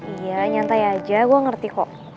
iya nyantai aja gue ngerti kok